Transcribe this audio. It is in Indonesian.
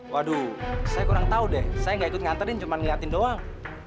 waduh saya kurang tahu deh saya gak ikut nganterin cuma ngeliatin doang